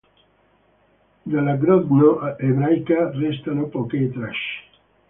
Della Grodno ebraica restano poche tracce.